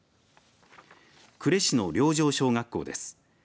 呉市の両城小学校です。